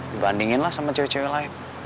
dibandingin lah sama cewek cewek lain